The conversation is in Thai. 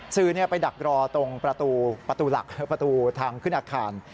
สื่อไปดักรอตรงประตูหลักประตูทางขึ้นอาคาร